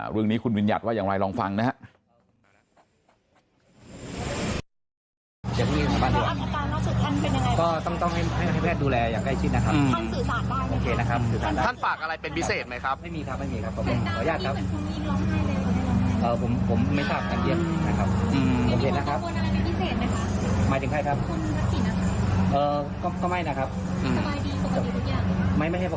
เรื่องนี้คุณวิญญัติว่าอย่างไรลองฟังนะครับ